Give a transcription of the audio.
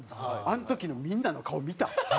あの時のみんなの顔見た？